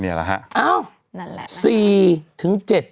นี่แหละฮะอ้าวนั่นแหละ